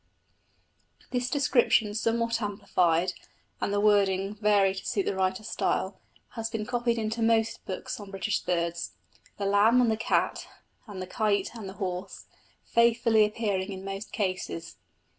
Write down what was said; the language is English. This description somewhat amplified, and the wording varied to suit the writer's style, has been copied into most books on British birds the lamb and the cat, and the kite and the horse, faithfully appearing in most cases.